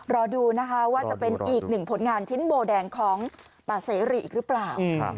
รอดูนะคะว่าจะเป็นอีกหนึ่งผลงานชิ้นโบแดงของป่าเสรีอีกหรือเปล่า